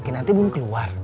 kinanti belum keluar